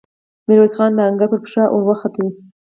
ميرويس خان د آهنګر پر پښه ور وخووت.